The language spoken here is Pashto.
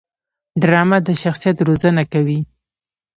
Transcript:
ډرامه د شخصیت روزنه کوي